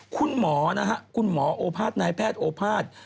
คุณหมอนะฮะคุณหมอโอภาษย์นายแพทย์โอภาษย์